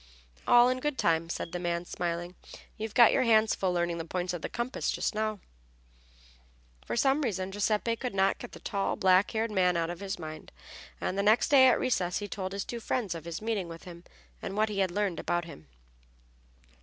"All in good time," said the man, smiling. "You've got your hands full learning the points of the compass just now." For some reason Giuseppe could not get the tall, black haired man out of his mind, and the next day, at recess, he told his two friends of his meeting with him and what he had learned about him.